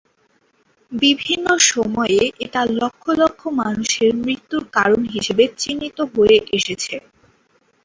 বিভিন্ন সময়ে এটা লক্ষ লক্ষ মানুষের মৃত্যুর কারণ হিসেবে চিহ্নিত হয়ে এসেছে।